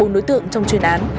bốn đối tượng trong chuyên án